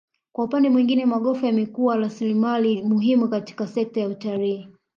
kwa upande mwingine magofu yamegeuka kuwa rasilimali muhimu katika sekta ya utalii